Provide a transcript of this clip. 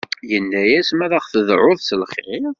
Ini-as ma aɣ-d-tedɛuḍ s lxir?